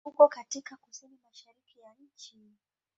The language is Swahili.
Uko katika kusini-mashariki ya nchi.